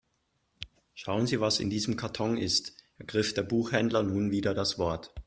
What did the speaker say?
Schauen Sie, was in diesem Karton ist, ergriff der Buchhändler nun wieder das Wort.